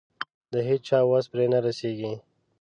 د هيچا وس پرې نه رسېږي.